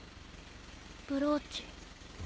ブローチ。